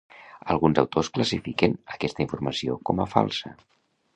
Alguns autors classifiquen aquesta informació com a falsa.